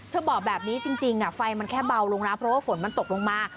บอกแบบนี้จริงไฟมันแค่เบาลงนะเพราะว่าฝนมันตกลงมา